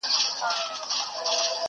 په کټ کټ به یې په داسي زور خندله.!